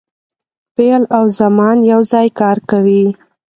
فعل او زمان یو ځای کار کوي.